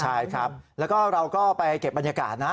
ใช่ครับแล้วก็เราก็ไปเก็บบรรยากาศนะ